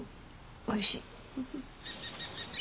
おいしい。